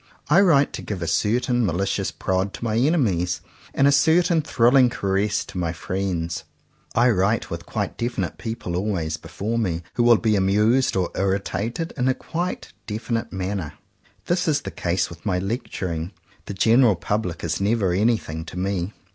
I write to give a certain malicious prod to my enemies, and a certain thrilling caress to my friends. I write with quite definite people always before me, who will be amused or irritated in a quite definite manner. This is the case with my lecturing. The general public is never any thing to me.